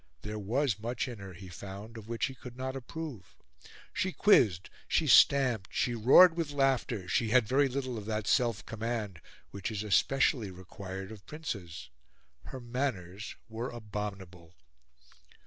There was much in her, he found, of which he could not approve. She quizzed, she stamped, she roared with laughter; she had very little of that self command which is especially required of princes; her manners were abominable.